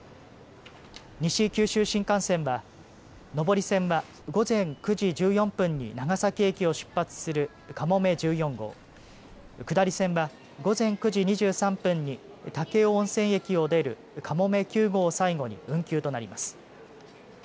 西九州新幹線は上り線は午前９時１４分に長崎駅を出発するかもめ１４号、下り線は午前９時２３分に武雄温泉駅を出るかもめ９号を最後に運休となります。